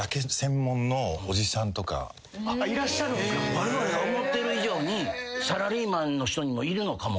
われわれが思ってる以上にサラリーマンの人にもいるのかも。